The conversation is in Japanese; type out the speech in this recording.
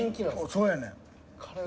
そうやねん。